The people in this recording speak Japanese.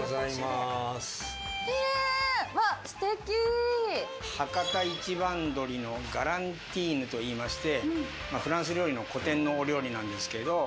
素敵！はかた一番どりのガランティーヌといいましてフランス料理の古典のお料理なんですけど。